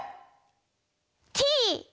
Ｔ！